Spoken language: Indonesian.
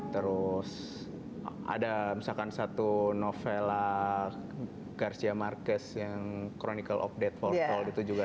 terus ada misalkan satu novela garcia marquez yang chronicle of death foretold itu juga